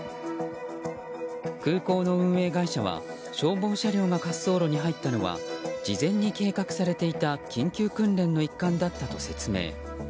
空港の運営会社は消防車両が滑走路に入ったのは事前に計画されていた緊急訓練の一環だったと説明。